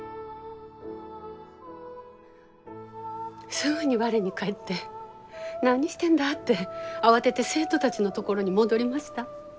すぐに我に返って何してんだって慌てて生徒たちのところに戻りました。